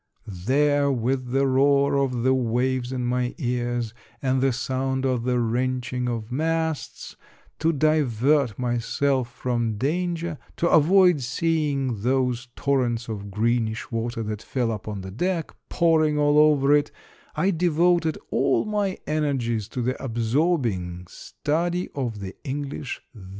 There with the roar of the waves in my ears and the sound of the wrenching of masts, — to divert myself from dan ger, to avoid seeing those torrents of greenish water that fell upon the deck, pouring all over it, I devoted all my energies to the absorbing study of the English th.